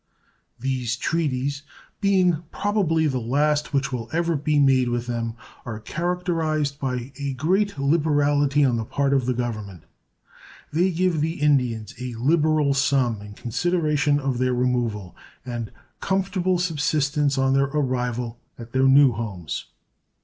These treaties, being probably the last which will ever be made with them, are characterized by great liberality on the part of the Government. They give the Indians a liberal sum in consideration of their removal, and comfortable subsistence on their arrival at their new homes.